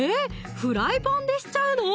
フライパンでしちゃうの？